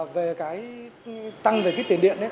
về cái tăng về kích tiền điện